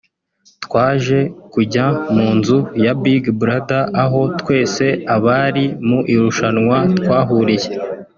twaje kujya mu nzu ya Big Brother aho twese abari mu irushanwa twahuriye